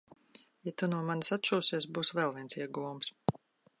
Ja tu no manis atšūsies, būs vēl viens ieguvums.